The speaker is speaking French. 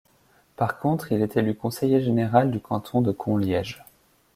Par contre, il est élu conseiller général du canton de Conliège.